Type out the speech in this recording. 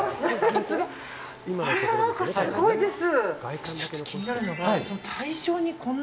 何か、すごいです。